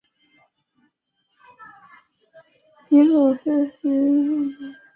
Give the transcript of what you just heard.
其木人宝石设施是在一组由水力推动的复杂的齿轮系统的带动下自动实现的。